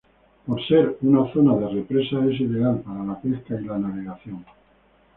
Por ser una zona de represa es ideal para la pesca y la navegación.